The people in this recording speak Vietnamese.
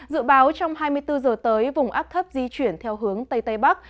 dự báo trong hai mươi bốn giờ tới vùng áp thấp di chuyển theo hướng tây tây bắc